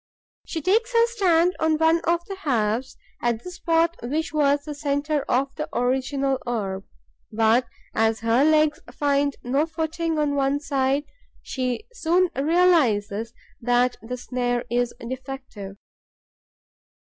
She takes her stand on one of the halves, at the spot which was the centre of the original orb; but, as her legs find no footing on one side, she soon realizes that the snare is defective.